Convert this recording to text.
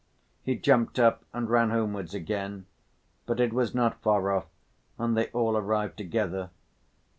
He jumped up and ran homewards again. But it was not far off and they all arrived together.